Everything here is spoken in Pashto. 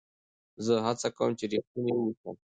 زه هڅه کوم، چي رښتینی واوسم.